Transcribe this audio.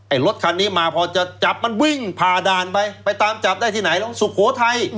รถคันนี้มาพอจะจับมันวิ่งผ่าด่านไปไปตามจับได้ที่ไหนแล้วสุโขทัย